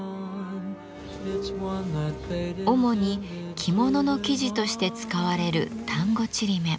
主に着物の生地として使われる丹後ちりめん。